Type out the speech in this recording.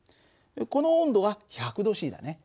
この温度が１００℃だね。